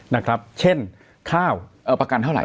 นะครับเช่นข้าวประกันเท่าไห